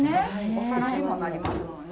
お皿にもなりますもんね。